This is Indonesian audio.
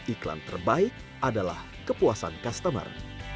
iklan terbaik adalah kepuasan customer